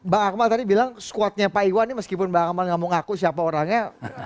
bang akmal tadi bilang squadnya pak iwan ini meskipun bang akmal nggak mau ngaku siapa orangnya